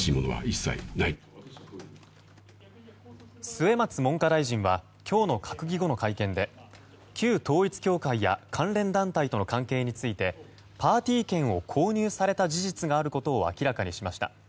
末松文科大臣は今日の閣議後の会見で旧統一教会や関連団体との関係についてパーティー券を購入された事実があることを明らかにしました。